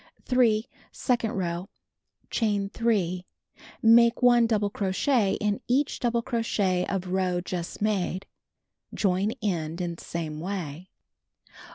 3. Second row: Chain 3. Make 1 double crochet in each double crochet of row just made. Join end in same way.